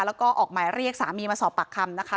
แล้วก็ออกหมายเรียกสามีมาสอบปากคำนะคะ